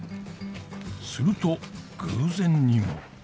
すると偶然にも。